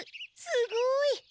すごい。